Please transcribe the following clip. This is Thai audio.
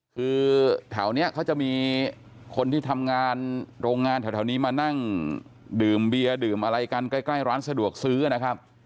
คือแถวนี้เขาจะมีคนที่ทำงานโรงงานแถวนี้มานั่งดื่มเบียร์ดื่มอะไรกันใกล้ร้านสะดวกซื้อนะครับ